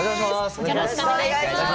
よろしくお願いします。